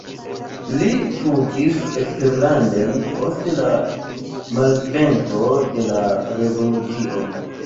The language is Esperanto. Li fuĝis eksterlanden post la malvenko de la revolucio.